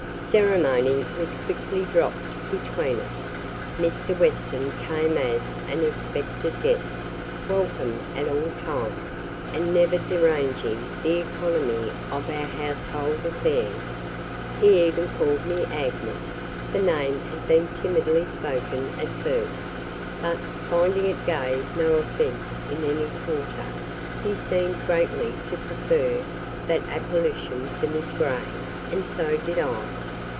Ceremony was quickly dropped between us: Mr. Weston came as an expected guest, welcome at all times, and never deranging the economy of our household affairs. He even called me "Agnes:" the name had been timidly spoken at first, but, finding it gave no offence in any quarter, he seemed greatly to prefer that appellation to "Miss Grey;" and so did I.